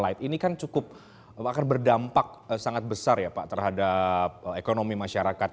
ini kan cukup akan berdampak sangat besar ya pak terhadap ekonomi masyarakat